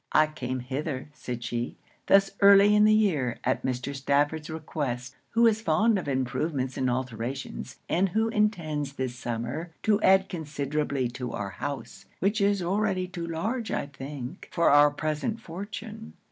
'I came hither,' said she, 'thus early in the year, at Mr. Stafford's request, who is fond of improvements and alterations, and who intends this summer to add considerably to our house; which is already too large, I think, for our present fortune.